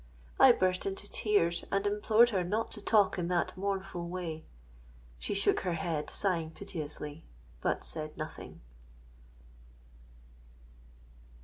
—I burst into tears, and implored her not to talk in that mournful way. She shook her head, sighing piteously—but said nothing.